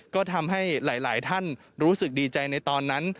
ก็ทำให้หลายท่านรู้สึกดีใจในตอนนั้น